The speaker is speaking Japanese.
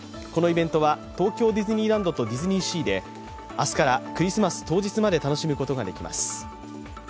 このイベントは東京ディズニーランドとディズニーシーで明日からクリスマス当日まで楽しむことができます。